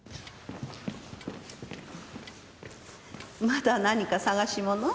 まだ何か探し物？